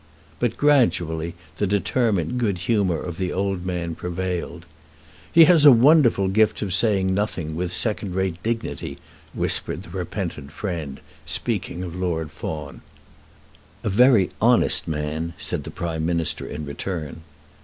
But gradually the determined good humour of the old man prevailed. "He has a wonderful gift of saying nothing with second rate dignity," whispered the repentant friend, speaking of Lord Fawn. "A very honest man," said the Prime Minister in return.